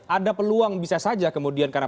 ada peluang bisa saja kemudian karena